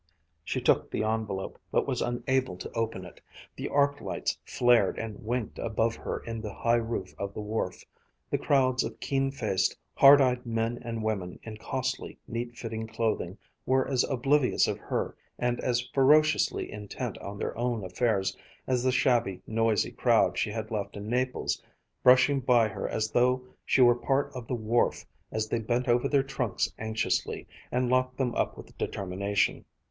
She took the envelope, but was unable to open it. The arc lights flared and winked above her in the high roof of the wharf; the crowds of keen faced, hard eyed men and women in costly, neat fitting clothing were as oblivious of her and as ferociously intent on their own affairs as the shabby, noisy crowd she had left in Naples, brushing by her as though she were a part of the wharf as they bent over their trunks anxiously, and locked them up with determination.